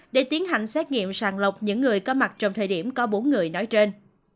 để tiến hành xét nghiệm sàng lọc những người có mặt trong thời điểm có bốn người nói trên